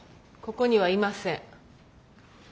ここにはいません。